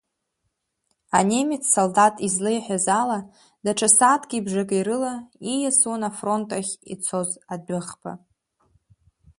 Анемец салдаҭ излеиҳәаз ала, даҽа сааҭки бжаки рыла ииасуан афронт ахь ицоз адәыӷба.